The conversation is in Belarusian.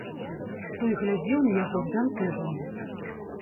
Той глядзеў на яго збянтэжаны.